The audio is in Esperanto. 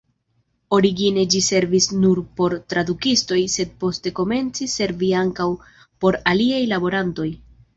Origine ĝi servis nur por tradukistoj, sed poste komencis servi ankaŭ por aliaj laborantoj.